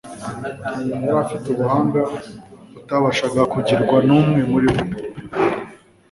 Yari afite ubuhanga butabashaga kugirwa n'umwe muri bo,